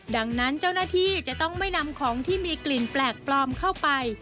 ดังนั้นเจ้าหน้าที่จะต้องไม่นำของที่มีกลิ่นแปลกปลอมเข้าไป